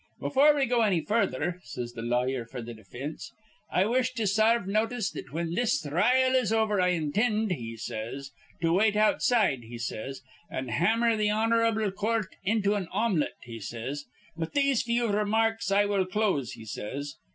"'Befure we go anny farther,' says th' lawyer f'r th' difinse, 'I wish to sarve notice that, whin this thrile is over, I intind,' he says, 'to wait outside,' he says, 'an' hammer th' hon'rable coort into an omelet,' he says. 'With these few remarks I will close,' he says.